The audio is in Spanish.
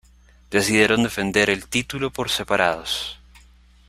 Decidieron defender el título por separados.